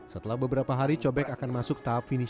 setelah beberapa hari cobek akan masuk tahap finish